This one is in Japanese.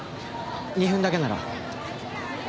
２分だけなら。